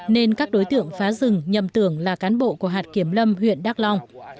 nên các đối tượng phá rừng nhầm tưởng là cán bộ của hạt kiểm lâm huyện đắk long